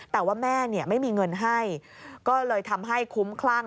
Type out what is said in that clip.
แต่ว่าแม่ไม่มีเงินให้ก็เลยทำให้คุ้มคลั่ง